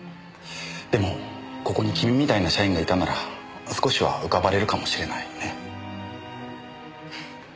でもここに君みたいな社員がいたなら少しは浮かばれるかもしれないね。